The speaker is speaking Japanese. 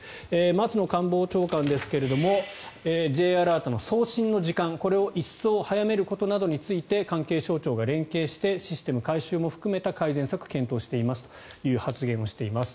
松野官房長官ですがＪアラートの送信の時間これを一層早めることなどについて関係省庁が連携してシステム改修も含めた改善策を検討していますという発言をしています。